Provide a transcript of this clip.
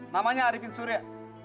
mamanya arifin surya